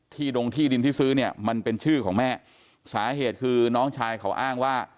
ดงที่ดินที่ซื้อเนี่ยมันเป็นชื่อของแม่สาเหตุคือน้องชายเขาอ้างว่า